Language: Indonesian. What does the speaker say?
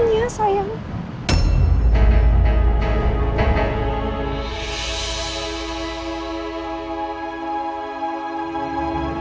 mama gak mau